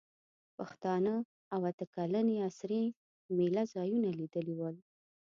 پښتیاڼا او اته کلنې اسرې مېله ځایونه لیدلي ول.